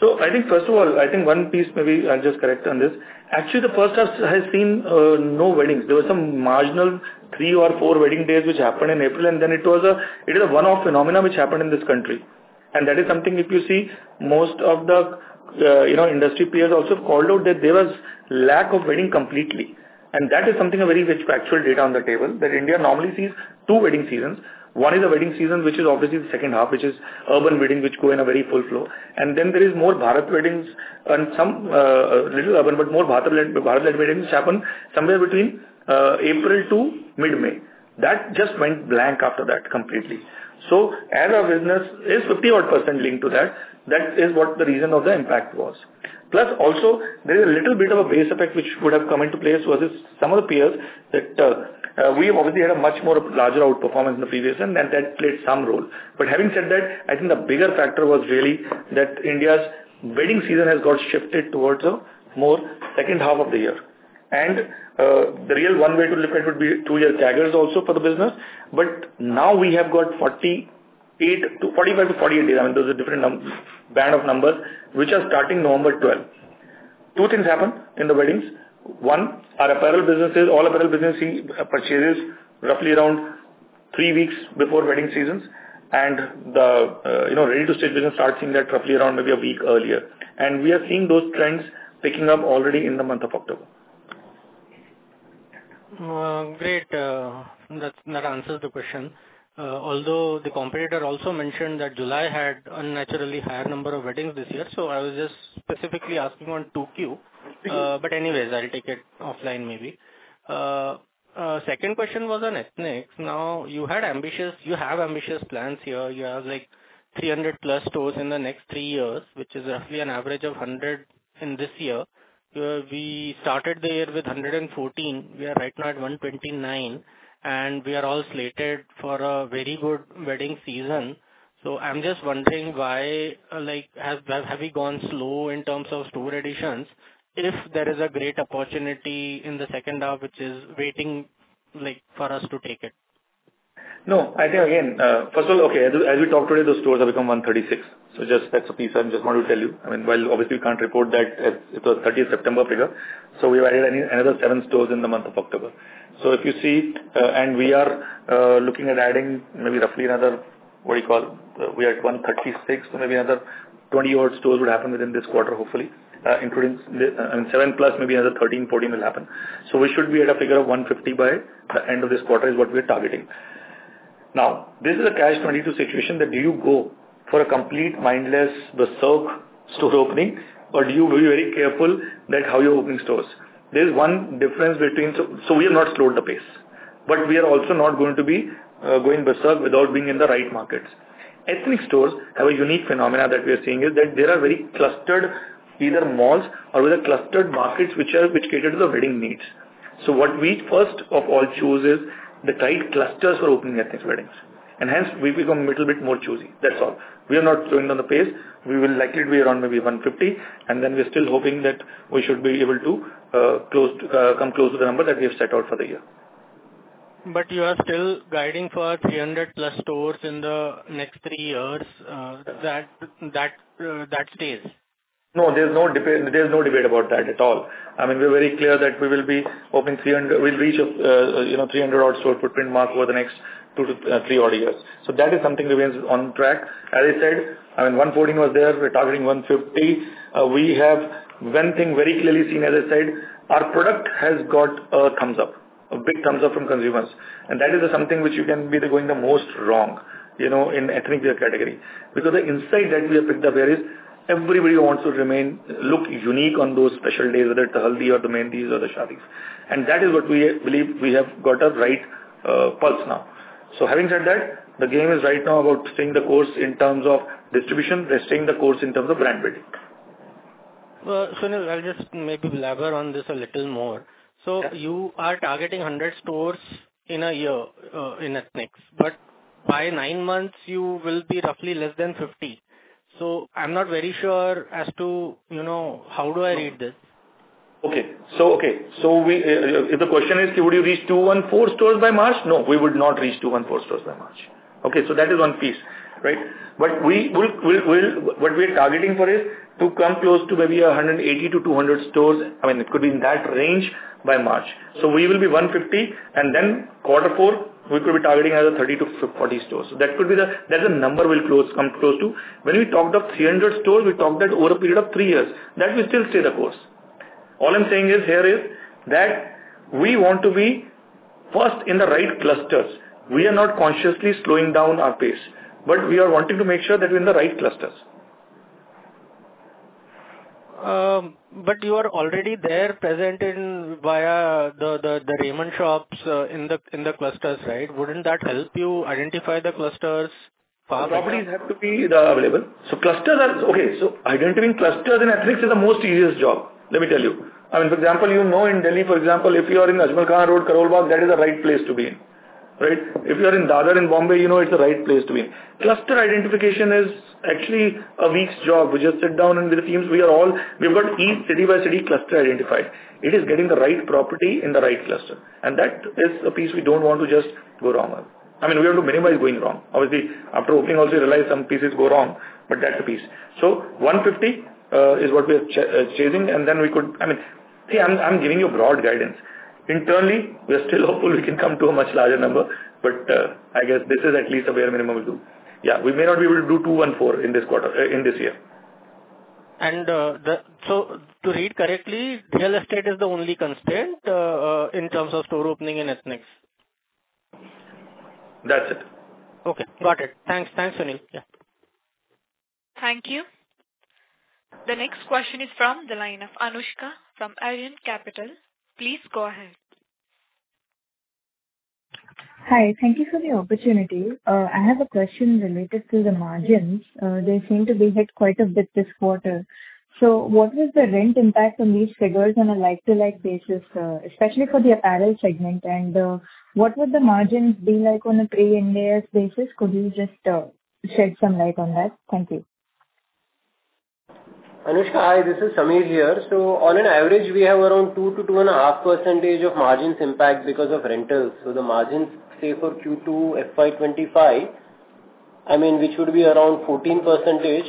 So I think first of all, I think one piece maybe I'll just correct on this. Actually, the first half has seen no weddings. There were some marginal three or four wedding days which happened in April, and then it was a one-off phenomenon which happened in this country. And that is something if you see most of the industry players also called out that there was lack of weddings completely. And that is something a very rich factual data on the table that India normally sees two wedding seasons. One is a wedding season which is obviously the second half, which is urban weddings which go in a very full flow. And then there is more Bharat weddings and some little urban, but more Bharat weddings which happened somewhere between April to mid-May. That just went blank after that completely. So as our business is 50-odd% linked to that, that is what the reason of the impact was. Plus, also, there is a little bit of a base effect which would have come into place versus some of the peers that we have obviously had a much more larger outperformance in the previous year, and that played some role. But having said that, I think the bigger factor was really that India's wedding season has got shifted towards a more second half of the year. And the real one way to look at would be two-year CAGR also for the business. But now we have got 45-48 days. I mean, those are different band of numbers which are starting 12 November 2024. Two things happen in the weddings. One, our apparel businesses, all apparel businesses see purchases roughly around three weeks before wedding seasons. And the ready-to-wear business starts seeing that roughly around maybe a week earlier. And we are seeing those trends picking up already in the month of October. Great. That answers the question. Although the competitor also mentioned that July had unnaturally higher number of weddings this year, so I was just specifically asking on Tokyo. But anyways, I'll take it offline maybe. Second question was on Ethnix. Now, you have ambitious plans here. You have like 300+ stores in the next three years, which is roughly an average of 100 in this year. We started the year with 114. We are right now at 129, and we are all slated for a very good wedding season. So I'm just wondering why have we gone slow in terms of store additions if there is a great opportunity in the second half, which is waiting for us to take it? No, I think again, first of all, okay, as we talked today, those stores have become 136. So just that's a piece I just wanted to tell you. I mean, while obviously we can't report that it was 30th September 2024 figure, so we have added another seven stores in the month of October. So if you see, and we are looking at adding maybe roughly another, what do you call, we are at 136, so maybe another 20-odd stores would happen within this quarter, hopefully, including seven plus, maybe another 13, 14 will happen. So we should be at a figure of 150 by the end of this quarter is what we are targeting. Now, this is a catch-22 situation that do you go for a complete mindless berserk store opening, or do you be very careful that how you're opening stores? There's one difference between, so we have not slowed the pace, but we are also not going to be going berserk without being in the right markets. Ethnic stores have a unique phenomenon that we are seeing is that they are very clustered either malls or with a clustered markets which cater to the wedding needs. So what we first of all choose is the tight clusters for opening ethnic weddings. And hence, we become a little bit more choosy. That's all. We are not slowing down the pace. We will likely be around maybe 150, and then we're still hoping that we should be able to come close to the number that we have set out for the year. But you are still guiding for 300+ stores in the next three years. That stays. No, there's no debate about that at all. I mean, we're very clear that we will be opening 300. We'll reach a 300-odd store footprint mark over the next two to three odd years. So that is something remains on track. As I said, I mean, 114 was there. We're targeting 150. We have one thing very clearly seen, as I said, our product has got a thumbs up, a big thumbs up from consumers. And that is something which you can go most wrong in ethnic category. Because the insight that we have picked up here is everybody wants to look unique on those special days, whether it's the haldi or the mehndis or the saris. And that is what we believe we have got a right pulse now. So having said that, the game is right now about staying the course in terms of distribution, staying the course in terms of brand building. I'll just maybe elaborate on this a little more. You are targeting 100 stores in a year in Ethnix, but by nine months, you will be roughly less than 50. So I'm not very sure as to how do I read this. Okay. So if the question is, would you reach 214 stores by March? No, we would not reach 214 stores by March. Okay, so that is one piece, right? But what we are targeting for is to come close to maybe 180-200 stores. I mean, it could be in that range by March. So we will be 150, and then quarter four, we could be targeting another 30-40 stores. So that's the number we'll come close to. When we talked of 300 stores, we talked that over a period of three years. That will still stay the course. All I'm saying here is that we want to be first in the right clusters. We are not consciously slowing down our pace, but we are wanting to make sure that we're in the right clusters. But you are already there present via the Raymond shops in the clusters, right? Wouldn't that help you identify the clusters? Properties have to be available. So clusters are okay. So identifying clusters in Ethnix is the most easiest job, let me tell you. I mean, for example, you know in Delhi, for example, if you are in Ajmal Khan Road, Karol Bagh, that is the right place to be in, right? If you are in Dadar in Bombay, you know it's the right place to be in. Cluster identification is actually a week's job. We just sit down and with the teams, we have got each city-by-city cluster identified. It is getting the right property in the right cluster. And that is a piece we don't want to just go wrong. I mean, we have to minimize going wrong. Obviously, after opening, also you realize some pieces go wrong, but that's the piece. So 150 is what we are chasing, and then we could, I mean, I'm giving you broad guidance. Internally, we are still hopeful we can come to a much larger number, but I guess this is at least a bare minimum we do. Yeah, we may not be able to do 214 in this quarter, in this year. And so, to read correctly, real estate is the only constraint in terms of store opening in Ethnix. That's it. Okay, got it. Thanks. Thanks, Sunil. Yeah. Thank you. The next question is from the line of Anushka from Arihant Capital. Please go ahead. Hi, thank you for the opportunity. I have a question related to the margins. They seem to be hit quite a bit this quarter. So what was the rent impact on these figures on a like-to-like basis, especially for the apparel segment? And what would the margins be like on a pre-index basis? Could you just shed some light on that? Thank you. Anushka, hi, this is Sameer here, so on an average, we have around 2%-2.5% of margins impact because of rentals. So the margins, say, for Q2 FY25, I mean, which would be around 14%,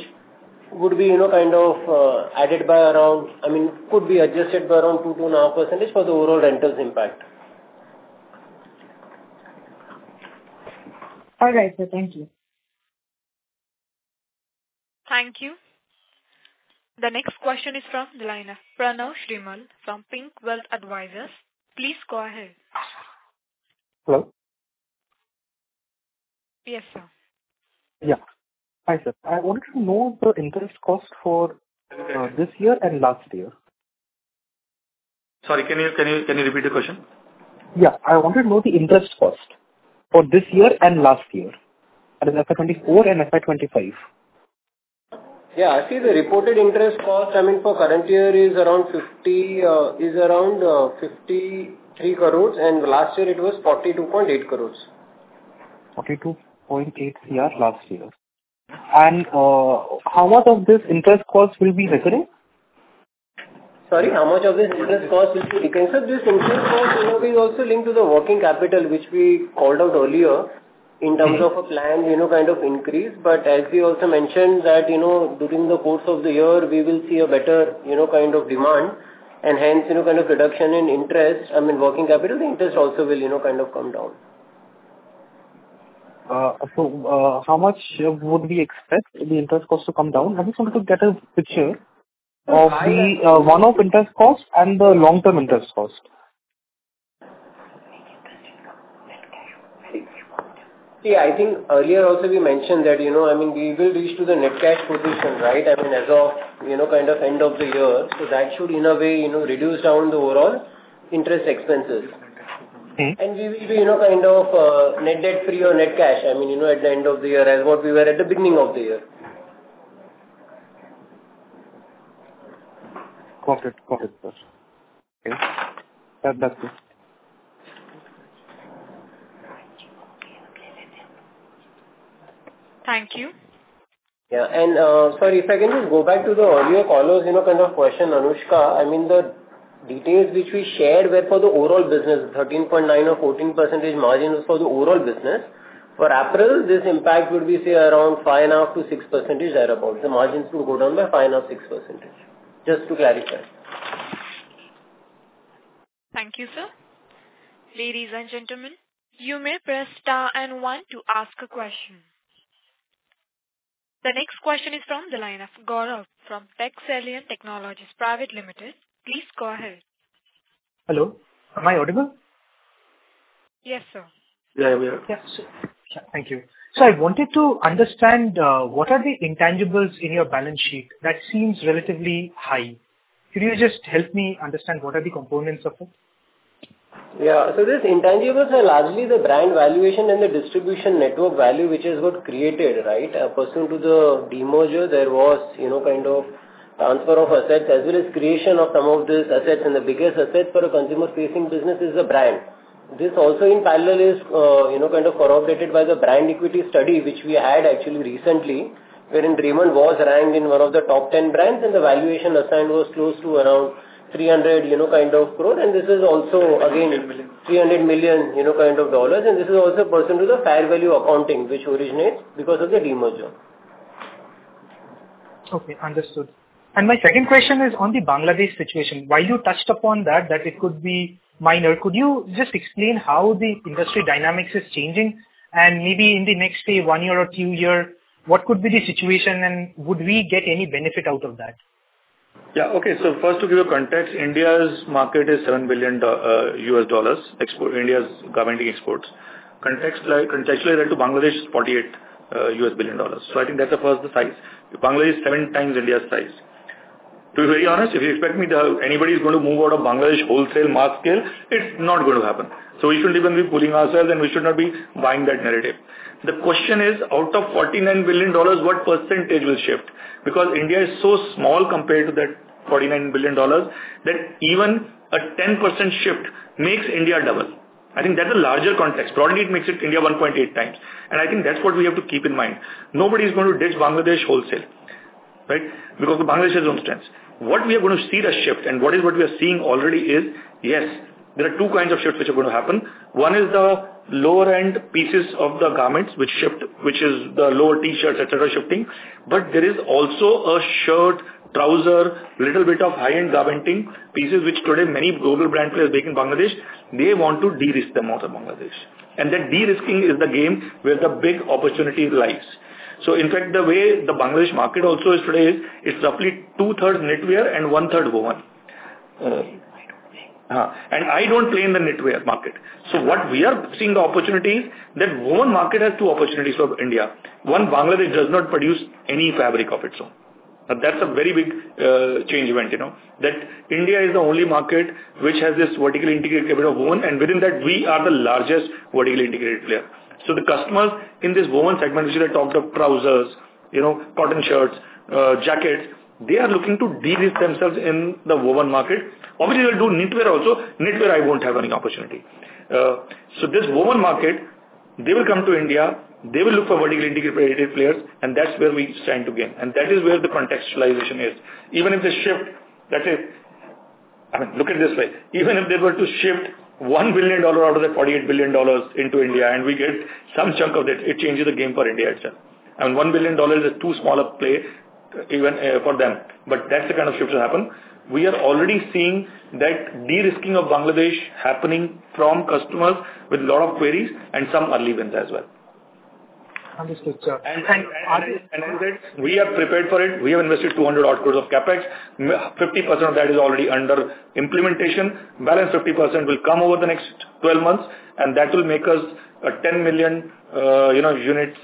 would be kind of added by around, I mean, could be adjusted by around 2%-2.5% for the overall rentals impact. All right, sir. Thank you. Thank you. The next question is from the line of Pranav Shrimal from PINC Wealth Advisors. Please go ahead. Hello? Yes, sir. Yeah. Hi, sir. I wanted to know the interest cost for this year and last year. Sorry, can you repeat the question? Yeah. I wanted to know the interest cost for this year and last year, and FY24 and FY25. Yeah, I see the reported interest cost, I mean, for current year is around 50 crores, is around 53 crores, and last year it was 42.8 crores. 42.8 crores last year. And how much of this interest cost will be recurring? Sorry, how much of this interest cost will be recurring? So this interest cost is also linked to the working capital, which we called out earlier in terms of a planned kind of increase. But as we also mentioned that during the course of the year, we will see a better kind of demand, and hence kind of reduction in interest. I mean, working capital, the interest also will kind of come down. So how much would we expect the interest cost to come down? I just wanted to get a picture of the one-off interest cost and the long-term interest cost. Yeah, I think earlier also we mentioned that, I mean, we will reach to the net cash position, right? I mean, as of kind of end of the year, so that should in a way reduce down the overall interest expenses. And we will be kind of net debt-free or net cash, I mean, at the end of the year, as what we were at the beginning of the year. Got it. Got it, sir. Okay. Thank you. Yeah. And sorry, if I can just go back to the earlier callers, kind of question, Anushka. I mean, the details which we shared were for the overall business. 13.9% or 14% margin was for the overall business. For April, this impact would be, say, around 5.5%-6% thereabouts. The margins would go down by 5.5%-6%. Just to clarify. Thank you, sir. Ladies and gentlemen, you may press star and one to ask a question. The next question is from the line of Gaurav from Techcellion Technologies Private Limited. Please go ahead. Hello. Am I audible? Yes, sir. Thank you. So I wanted to understand what are the intangibles in your balance sheet that seems relatively high. Could you just help me understand what are the components of it. Yeah. So these intangibles are largely the brand valuation and the distribution network value, which is what created, right? Pursuant to the demerger, there was kind of transfer of assets as well as creation of some of these assets. And the biggest asset for a consumer-facing business is the brand. This also in parallel is kind of corroborated by the brand equity study, which we had actually recently, wherein Raymond was ranked in one of the top 10 brands, and the valuation assigned was close to around 300 crore kind of. And this is also, again, $300 million kind of. And this is also pursuant to the fair value accounting, which originates because of the demerger. Okay. Understood. And my second question is on the Bangladesh situation. While you touched upon that, that it could be minor, could you just explain how the industry dynamics is changing? And maybe in the next say one year or two years, what could be the situation, and would we get any benefit out of that? Yeah. Okay. So first, to give you context, India's market is $7 billion, India's garment exports. Contextually, relative to Bangladesh, it's $48 billion. So I think that's the first size. Bangladesh is seven times India's size. To be very honest, if you expect me that anybody is going to move out of Bangladesh wholesale mass scale, it's not going to happen. So we shouldn't even be pulling ourselves, and we should not be buying that narrative. The question is, out of $49 billion, what percentage will shift? Because India is so small compared to that $49 billion that even a 10% shift makes India double. I think that's a larger context. Broadly, it makes it India 1.8x. And I think that's what we have to keep in mind. Nobody is going to ditch Bangladesh wholesale, right? Because Bangladesh has its own strengths. What we are going to see the shift, and what we are seeing already is, yes, there are two kinds of shifts which are going to happen. One is the lower-end pieces of the garments, which is the lower t-shirts, etc., shifting. But there is also a shirt, trouser, little bit of high-end garmenting pieces, which today many global brands play big in Bangladesh. They want to de-risk them out of Bangladesh. And that de-risking is the game where the big opportunity lies. So in fact, the way the Bangladesh market also is today is it's roughly two-thirds knitwear and one-third woven. And I don't play in the knitwear market. So what we are seeing, the opportunity is that the woven market has two opportunities for India. One, Bangladesh does not produce any fabric of its own. That's a very big game changer. India is the only market which has this vertically integrated woven, and within that, we are the largest vertically integrated player. So the customers in this woven segment, which is trousers, cotton shirts, jackets, they are looking to de-risk themselves in the woven market. Obviously, they'll do knitwear also. Knitwear, we won't have any opportunity. So this woven market, they will come to India, they will look for vertically integrated players, and that's where we stand to gain. And that is where the contextualization is. Even if the shift, that is, I mean, look at this way. Even if they were to shift $1 billion out of the $48 billion into India, and we get some chunk of that, it changes the game for India itself. I mean, $1 billion is a too small a play even for them. But that's the kind of shift to happen. We are already seeing that de-risking of Bangladesh happening from customers with a lot of queries and some early wins as well. Understood, sir. And we are prepared for it. We have invested 200-odd crores of CapEx. 50% of that is already under implementation. Balance 50% will come over the next 12 months, and that will make us a 10 million units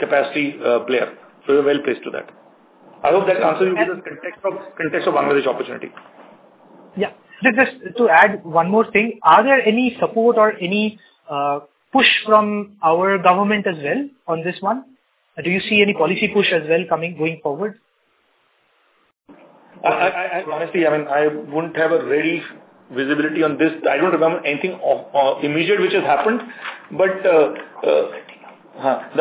capacity player. So we're well placed to that. I hope that answers you in the context of Bangladesh opportunity. Yeah. Just to add one more thing, are there any support or any push from our government as well on this one? Do you see any policy push as well going forward? Honestly, I mean, I wouldn't have a ready visibility on this. I don't remember anything immediate which has happened. But the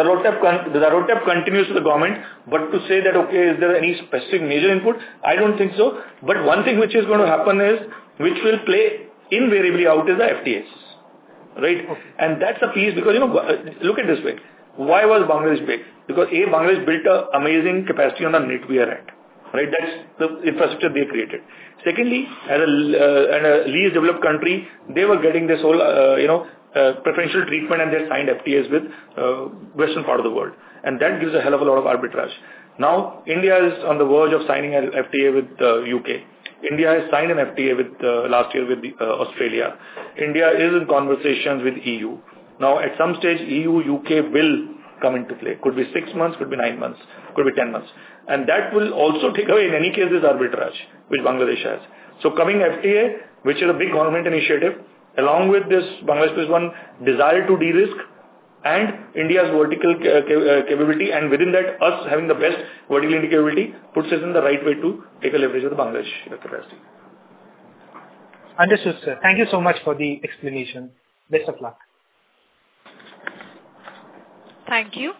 roadmap continues to the government. But to say that, okay, is there any specific major input? I don't think so. But one thing which is going to happen is, which will play invariably out, is the FTAs, right? And that's a piece because look at this way. Why was Bangladesh big? Because A, Bangladesh built an amazing capacity on the knitwear end, right? That's the infrastructure they created. Secondly, as a least developed country, they were getting this whole preferential treatment, and they signed FTAs with the Western part of the world. And that gives a hell of a lot of arbitrage. Now, India is on the verge of signing an FTA with the U.K. India has signed an FTA last year with Australia. India is in conversations with the E.U. Now, at some stage, E.U.-U.K. will come into play. Could be six months, could be nine months, could be ten months. And that will also take away, in any case, this arbitrage which Bangladesh has. So coming FTA, which is a big government initiative, along with this Bangladesh-based one, desire to de-risk and India's vertical capability, and within that, us having the best vertical capability puts us in the right way to take a leverage of the Bangladesh capacity. Understood, sir. Thank you so much for the explanation. Best of luck. Thank you.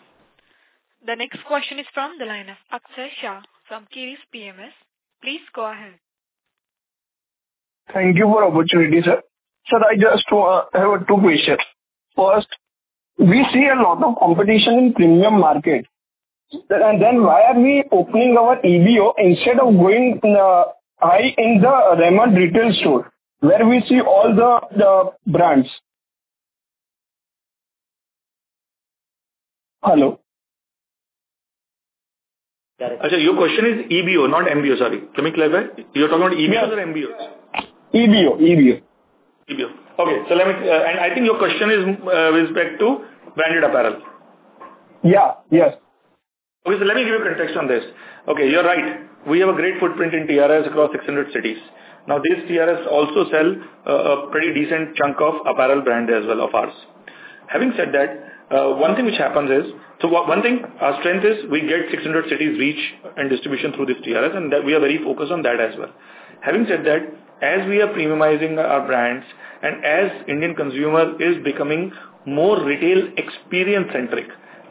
The next question is from the line of Axay Shah from Kriis PMS. Please go ahead. Thank you for the opportunity, sir. Sir, I just have two questions. First, we see a lot of competition in premium market, and then why are we opening our EBO instead of going high in the Raymond retail store where we see all the brands? Hello? Axay, your question is EBO, not MBO, sorry. Can we clarify? You're talking about EBOs or MBOs? EBO. EBO. EBO. Okay. So let me, and I think your question is with respect to branded apparel. Yeah. Yes. Okay. So let me give you context on this. Okay. You're right. We have a great footprint in TRS across 600 cities. Now, these TRS also sell a pretty decent chunk of apparel brand as well of ours. Having said that, one thing which happens is, so one thing, our strength is we get 600 cities reach and distribution through these TRS, and we are very focused on that as well. Having said that, as we are premiumizing our brands and as Indian consumer is becoming more retail experience-centric,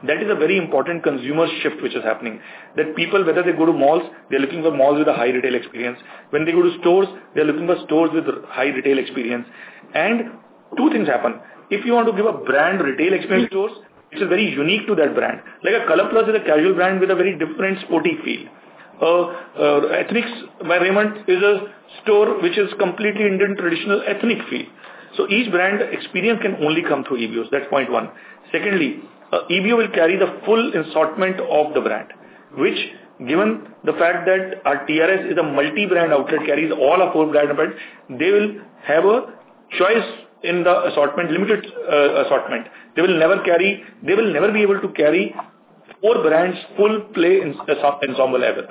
that is a very important consumer shift which is happening. That people, whether they go to malls, they're looking for malls with a high retail experience. When they go to stores, they're looking for stores with high retail experience. And two things happen. If you want to give a brand retail experience to stores, which is very unique to that brand, like a ColorPlus is a casual brand with a very different sporty feel. Ethnix by Raymond is a store which is completely Indian traditional ethnic feel. So each brand experience can only come through EBOs. That's point one. Secondly, EBO will carry the full assortment of the brand, which, given the fact that our TRS is a multi-brand outlet, carries all our four brands. They will have a choice in the assortment, limited assortment. They will never carry, they will never be able to carry four brands full play ensemble ever.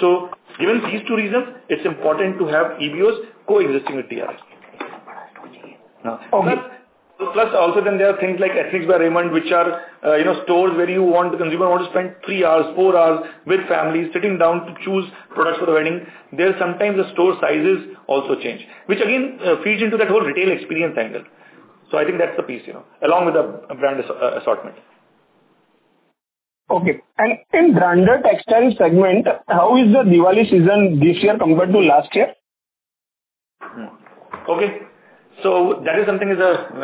So given these two reasons, it's important to have EBOs coexisting with TRS. Now, plus also then there are things like Ethnix by Raymond, which are stores where you want the consumer to spend three hours, four hours with families sitting down to choose products for the wedding. There's sometimes the store sizes also change, which again feeds into that whole retail experience angle. So I think that's the piece, along with the brand assortment. Okay. And in branded textile segment, how is the Diwali season this year compared to last year? Okay. So that is something that is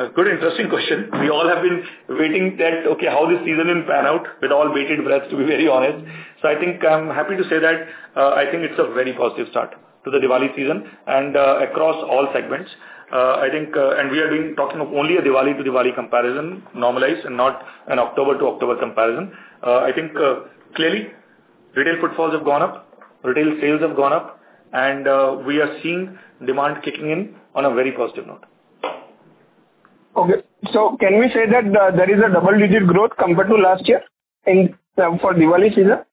a good interesting question. We all have been waiting that, okay, how this season will pan out with all bated breath, to be very honest. So I think I'm happy to say that I think it's a very positive start to the Diwali season and across all segments. I think, and we are talking of only a Diwali to Diwali comparison, normalized, and not an October to October comparison. I think clearly retail footfalls have gone up, retail sales have gone up, and we are seeing demand kicking in on a very positive note. Okay. So can we say that there is a double-digit growth compared to last year for Diwali season?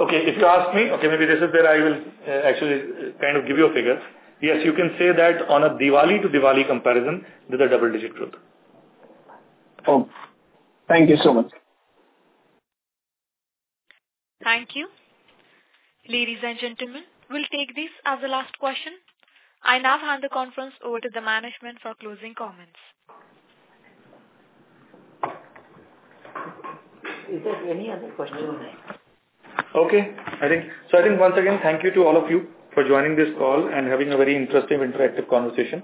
Okay. If you ask me, okay, maybe this is where I will actually kind of give you a figure. Yes, you can say that on a Diwali to Diwali comparison, there's a double-digit growth. Thank you so much. Thank you. Ladies and gentlemen, we'll take this as the last question. I now hand the conference over to the management for closing comments. Is there any other question? Okay, so I think once again, thank you to all of you for joining this call and having a very interesting interactive conversation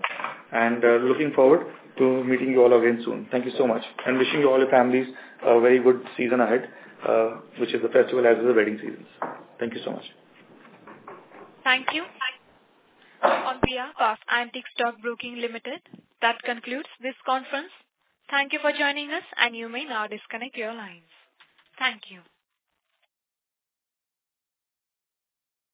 and looking forward to meeting you all again soon. Thank you so much and wishing you all, your families, a very good season ahead, which is the festival as well as the wedding seasons. Thank you so much. Thank you. On behalf of Antique Stock Broking Limited, that concludes this conference. Thank you for joining us, and you may now disconnect your lines. Thank you.